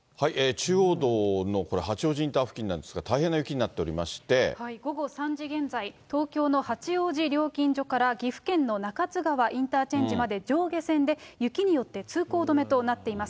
中央道のこれ、八王子インター付近なんですが、午後３時現在、東京の八王子料金所から岐阜県の中津川インターチェンジまで上下線で、雪によって通行止めとなっています。